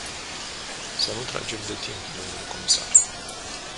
Să nu tragem de timp, dle comisar.